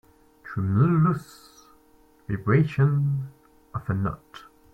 Tremulous vibration of a note.